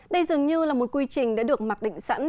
đây dường như là một quy trình đã được mặc định sẵn